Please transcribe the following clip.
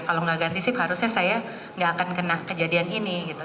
kalau gak ganti sip harusnya saya gak akan kena kejadian ini gitu